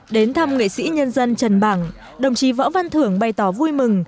đến thăm nghệ sĩ nhân dân trần bảng đồng chí võ văn thưởng bày tỏ vui mừng